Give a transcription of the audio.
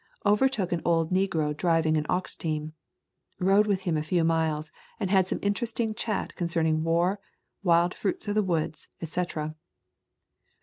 Overtook an old negro driving an ox team. Rode with him a few miles and had some interesting chat concerning war, wild fruits of the woods, et cetera.